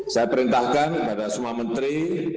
saya perintahkan kepada semua menteri